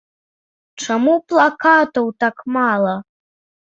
Чаму плакатаў так мала?